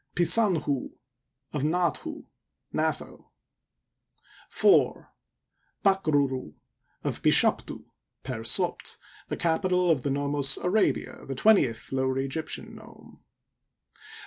Pi'Sa ^n hU'U, of Na at hu (Natho). 4. Pa ak ru ru, of Pi shafi'tu {Per Sofid, the capital of the Nomos Arabia, the twentieth Lower Egyptian nome).